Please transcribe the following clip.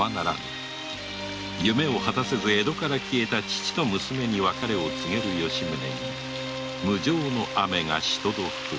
夢を果たせず消えた父と娘に別れを告げる吉宗に無情の雨がしとど降る